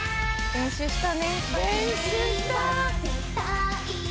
練習した！